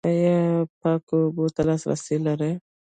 ایا پاکو اوبو ته لاسرسی لرئ؟